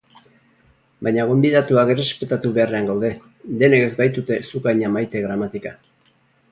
Baina gonbidatuak errespetatu beharrean gaude, denek ez baitute zuk haina maite gramatika.